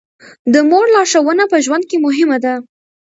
د مور لارښوونه په ژوند کې مهمه ده.